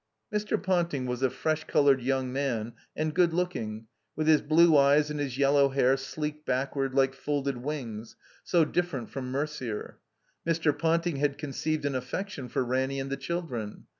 '' Mr. Ponting was a fresh colored yotmg man and good looking, with his blue eyes and his yellow hair sleeked backward like folded wings, so different from Mercier. Mr. Ponting had conceived an affection for Ranny and the children.